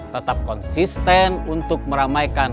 tetap konsisten untuk meramaikan